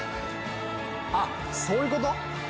あっ、そういうこと？